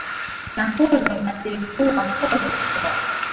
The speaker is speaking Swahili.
m coro ni waziri mkuu wa cote divoire